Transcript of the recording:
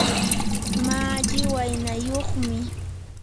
malli waynayuqmi.